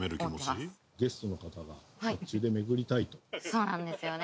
そうなんですよね